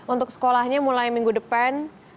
untuk sekolahnya mulai minggu depan